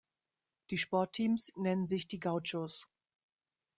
Die Sportteams nennen sich die "Gauchos".